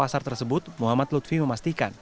di satu pasar tersebut muhammad turfi memastikan